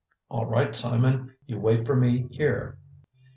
"All right, Simon; you wait for me here."